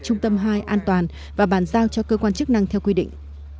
trung tâm hai an toàn và bàn giao cho cơ quan chức năng theo quy định